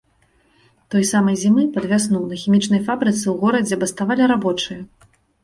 Той самай зімы, пад вясну, на хімічнай фабрыцы, у горадзе, баставалі рабочыя.